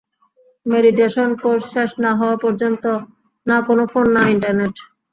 Meditation course শেষ না হওয়া পর্যন্ত না কোন ফোন, না ইন্টারনেট।